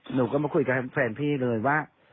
หนูก็มาคุยกับแฟนพี่เลยว่า